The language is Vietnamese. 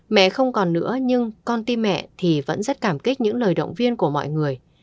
mẹ không còn nữa nhưng con tim mẹ thì vẫn rất cảm kích những lời động viên của mọi người